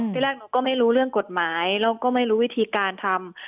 ที่แรกหนูก็ไม่รู้เรื่องกฎหมายแล้วก็ไม่รู้วิธีการทำ